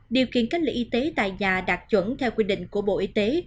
điều kiện cách ly y tế tại nhà đạt chuẩn theo quy định của bộ y tế